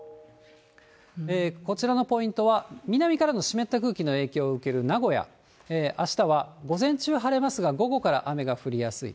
こちらのポイントは、南からの湿った空気の影響を受ける名古屋、あしたは午前中晴れますが、午後から雨が降りやすい。